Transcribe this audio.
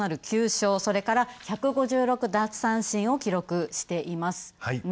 それから１５６奪三振を記録しています。